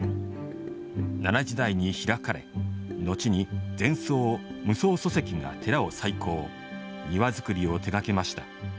奈良時代に開かれ、後に禅僧・夢窓疎石が寺を再興庭作りを手がけました。